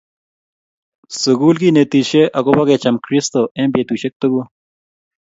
Sukul kinetishe akobo kecham Kristo eng betusiek tukul